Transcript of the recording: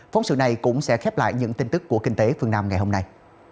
phóng sự này cũng sẽ khép lại những tin tức của kinh tế phương nam ngày hôm nay